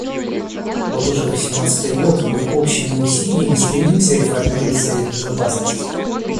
Вот уже восемнадцатый год мы общими усилиями стремимся реформировать Совет Безопасности.